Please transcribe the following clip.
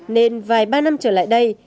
nên vài ba năm trở lại đây